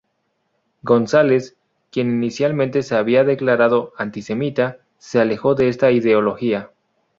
González, quien inicialmente se había declarado antisemita, se alejó de esta ideología.